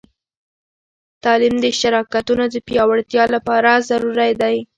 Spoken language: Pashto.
تعلیم د شراکتونو د پیاوړتیا لپاره ضروری دی.